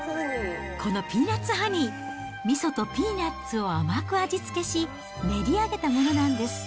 このピーナッツハニー、みそとピーナッツを甘く味付けし、練り上げたものなんです。